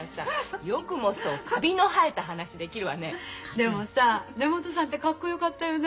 でもさ根本さんってかっこよかったよね。